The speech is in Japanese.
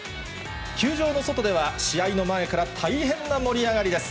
球場の外では、試合の前から大変な盛り上がりです。